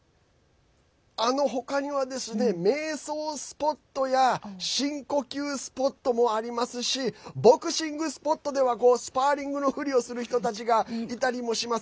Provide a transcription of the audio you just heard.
他にはですね、瞑想スポットや深呼吸スポットもありますしボクシングスポットではスパーリングのフリをする人たちがいたりもします。